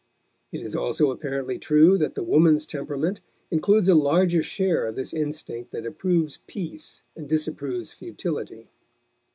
It is also apparently true that the woman's temperament includes a larger share of this instinct that approves peace and disapproves futility.